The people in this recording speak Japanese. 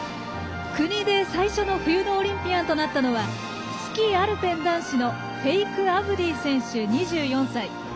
国で最初の冬のオリンピアンとなったのはスキー・アルペン男子のファイク・アブディ選手、２４歳。